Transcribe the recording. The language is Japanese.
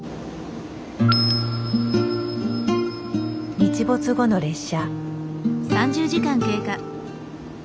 日没後の列車。